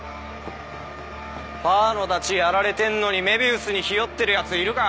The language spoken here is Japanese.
パーのダチやられてんのに愛美愛主にひよってるやついるか？